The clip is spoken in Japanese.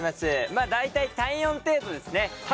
まあ大体体温程度ですね。